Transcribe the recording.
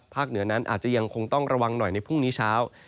เหนือนั้นอาจจะยังคงต้องระวังหน่อยในพรุ่งนี้เช้า